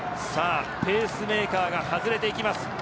ペースメーカーが外れます。